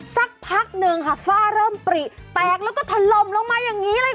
สักพักหนึ่งค่ะฝ้าเริ่มปริแตกแล้วก็ถล่มลงมาอย่างนี้เลยค่ะ